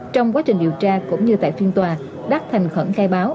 trong quá trình điều tra cũng như tại phiên tòa đắc thành khẩn khai báo